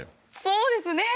そうですね